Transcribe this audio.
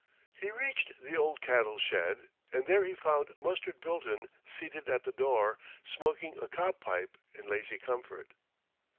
He reached the old cattle shed and there he found Mustard Bilton seated at the door, smoking a cob pipe in lazy comfort.